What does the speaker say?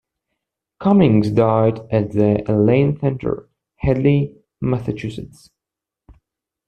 Cummings died at The Elaine Center, Hadley, Massachusetts.